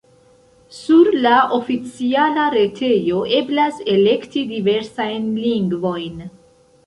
Sur la oficiala retejo eblas elekti diversajn lingvojn.